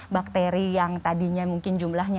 bakteri yang tadinya mungkin jumlahnya